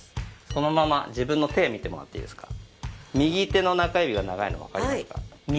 そのまま自分の手を見てもらっていいですか？